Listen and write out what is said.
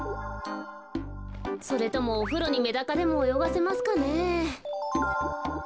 それともおふろにメダカでもおよがせますかねえ。